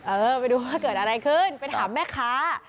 เออไปดูว่าเกิดอะไรขึ้นไปถามแม่ค้า